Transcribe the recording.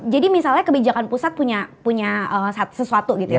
jadi misalnya kebijakan pusat punya sesuatu